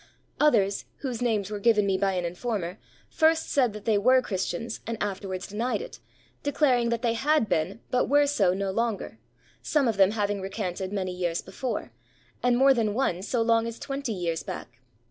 Others, whose names were given me by an informer, first said that they were Christians and afterwards denied it, declaring that they had been but were so no longer, some of them having recanted many years before, and more than one so long as twenty years back.